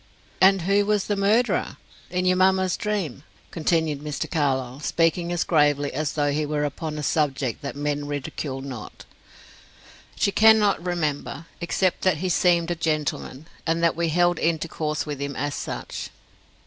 "And who was the murderer in your mamma's dream?" continued Mr. Carlyle, speaking as gravely as though he were upon a subject that men ridicule not. "She cannot remember, except that he seemed a gentleman, and that we held intercourse with him as such.